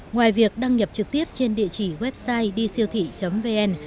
ngoài việc đăng nhập trực tiếp trên địa chỉ website disiêuthị vn